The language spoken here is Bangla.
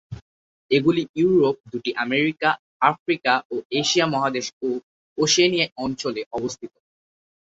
এগুলি ইউরোপ, দুই আমেরিকা, আফ্রিকা ও এশিয়া মহাদেশ ও ওশেনিয়া অঞ্চলে অবস্থিত।